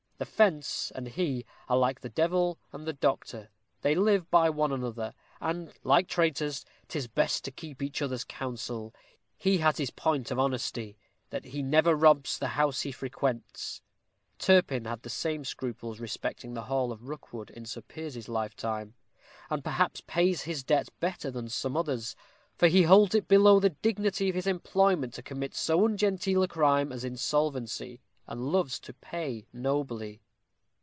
The fence and he are like the devil and the doctor, they live by one another; and, like traitors, 'tis best to keep each other's counsel. He has this point of honesty, that he never robs the house he frequents" Turpin had the same scruples respecting the Hall of Rookwood in Sir Piers's lifetime ; "and perhaps pays his debts better than some others, for he holds it below the dignity of his employment to commit so ungenteel a crime as insolvency, and loves to pay nobly.